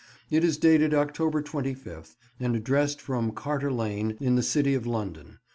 It is dated October 25th and addressed from Carter Lane, in the City of London.